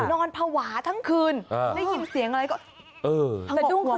นอนภาวะทั้งคืนได้ยินเสียงอะไรก็เออ